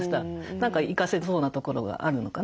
何か生かせそうなところがあるのかな。